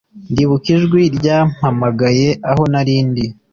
Ndibuka ijwi ryampamagaye aho nari ndi